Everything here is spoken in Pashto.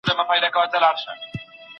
تیږه د سړي په لاس کې د بې انصافه نیت نښه وه.